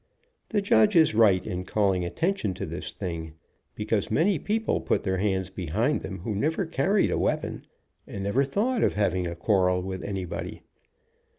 The judge is right in calling attention to this thing, because many people put their hands behind them who never carried a weapon and never thought of having a quarrel with anybody.